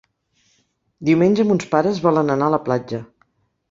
Diumenge mons pares volen anar a la platja.